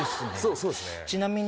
そうですね。